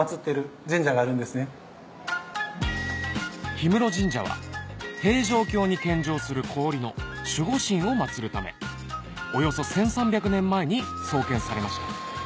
氷室神社は平城京に献上する氷の守護神を祀るためおよそ１３００年前に創建されました